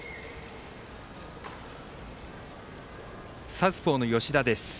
サウスポーの吉田です。